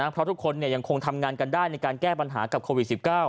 เพราะทุกคนยังคงทำงานกันได้ในการแก้ปัญหากับโควิด๑๙